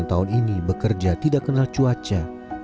pria enam puluh sembilan tahun ini bekerja tidak kenal cuaca